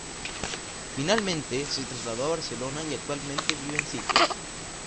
Finalmente se trasladó a Barcelona y actualmente vive en Sitges.